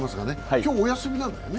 今日、お休みなんだよね。